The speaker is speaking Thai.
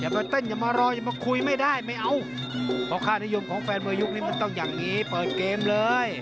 เพราะค่านิยมของแฟนมวยุกนี้มันต้องอย่างงี้เปิดเกมเลย